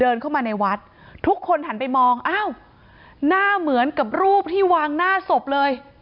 เดินเข้ามาในวัดทุกคนหันไปมองอ้าวหน้าเหมือนกับรูปที่วางหน้าศพเลย